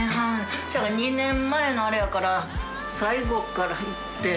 ２年前のあれやから最後からいって。